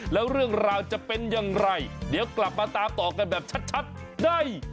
แล้วเรื่องราวจะเป็นอย่างไรเดี๋ยวกลับมาตามต่อกันแบบชัดได้